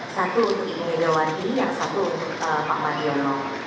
satu untuk ibu medawati yang satu untuk pak mladiono